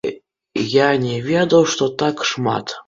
Я не ведаў, што так шмат.